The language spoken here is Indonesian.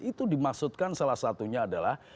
itu dimaksudkan salah satunya adalah